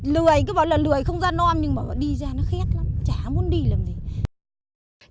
lười cứ bảo là lười không ra non nhưng mà đi ra nó khét lắm chả muốn đi làm gì